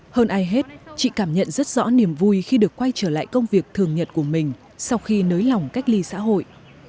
hơn ai hết chị cảm nhận rất rõ niềm vui khi được quay trở lại công việc thường nhật của mình sau khi nới lỏng cách ly xã hội